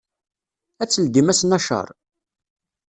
Ad teldim ass n acer?